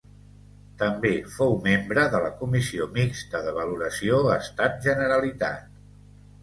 També fou membre de la Comissió Mixta de Valoració Estat-Generalitat.